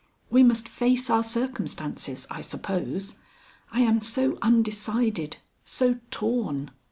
We must face our circumstances, I suppose. I am so undecided so torn.